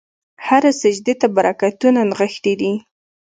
هره سجدې ته برکتونه نغښتي دي.